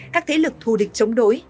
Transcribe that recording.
các thế lực thù địch chống đối